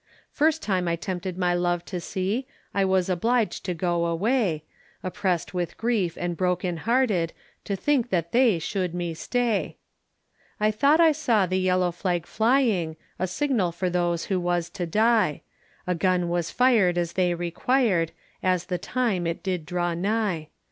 First time I 'tempted my love to see I was obliged to go away, Oppres't with grief and broken hearted To think that they should me stay. I thought I saw the yellow flag flying, A signal for those who was to die; A gun was fired as they required, As the time it did draw nigh.